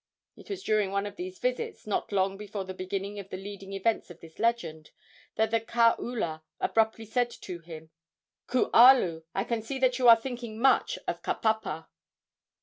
It was during one of these visits, not long before the beginning of the leading events of this legend, that the kaula abruptly said to him: "Kualu, I can see that you are thinking much of Kapapa."